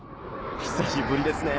久しぶりですね。